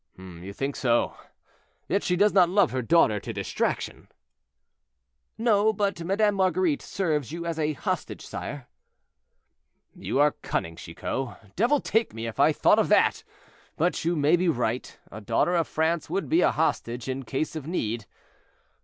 "You think so? Yet she does not love her daughter to distraction." "No; but Madame Marguerite serves you as a hostage, sire." "You are cunning, Chicot. Devil take me, if I thought of that! But you may be right; a daughter of France would be a hostage in case of need.